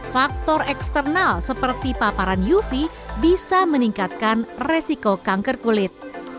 faktor eksternal seperti paparan uv bisa meningkatkan resiko kanker kulit